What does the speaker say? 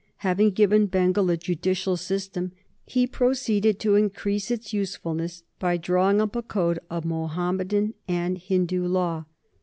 Having given Bengal a judicial system, he proceeded to increase its usefulness by drawing up a code of Mohammedan and Hindu law.